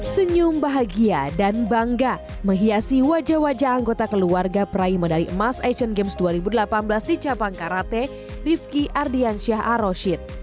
senyum bahagia dan bangga menghiasi wajah wajah anggota keluarga peraih medali emas asian games dua ribu delapan belas di cabang karate rifki ardiansyah aroshid